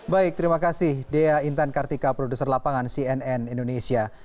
baik terima kasih dea intan kartika produser lapangan cnn indonesia